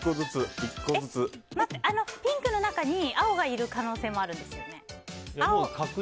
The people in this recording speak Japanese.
ピンクの中に青がいる可能性もあるんですよね？